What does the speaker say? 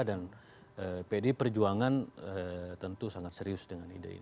dan pdi perjuangan tentu sangat serius dengan ide ini